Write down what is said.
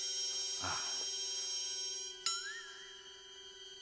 ⁉ああ